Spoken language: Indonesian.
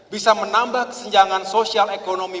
bisa menambah kesenjangan sosial ekonomi